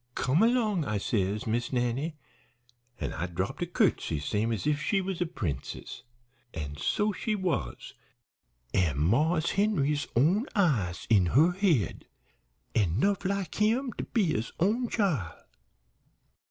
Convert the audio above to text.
"'Come long,' I says, 'Miss Nannie,' an' I dropped a curtsey same's if she was a princess. An' so she was, an' Marse Henry's own eyes in her head, an' 'nough like him to be his own chile.